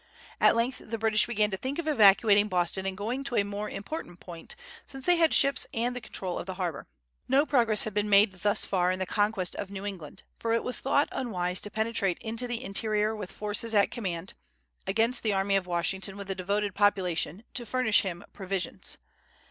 At length the British began to think of evacuating Boston and going to a more important point, since they had ships and the control of the harbor. No progress had been made thus far in the conquest of New England, for it was thought unwise to penetrate into the interior with the forces at command, against the army of Washington with a devoted population to furnish him provisions.